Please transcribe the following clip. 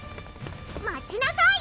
待ちなさい！